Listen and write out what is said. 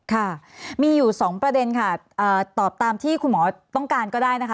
ค่ะมีอยู่๒ประเด็นค่ะตอบตามที่คุณหมอต้องการก็ได้นะคะ